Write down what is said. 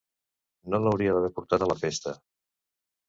No l'hauria d'haver portat a la festa!